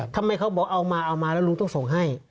ทำไมเขาบอกเอามาเอามาแล้วลุงต้องส่งให้